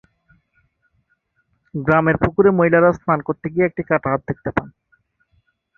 গ্রামের পুকুরে মহিলারা স্নান করতে গিয়ে একটি কাটা হাত দেখতে পান।